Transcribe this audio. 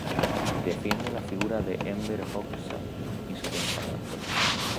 Defiende la figura de Enver Hoxha y su pensamiento.